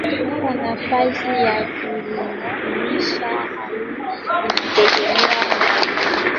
Hapa nafasi ya kudumisha uhai inategemea na halijoto ya maji.